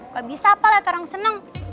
gak bisa apa lah ke orang seneng